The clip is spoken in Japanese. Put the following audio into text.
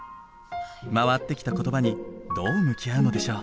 回ってきた言葉にどう向き合うのでしょう。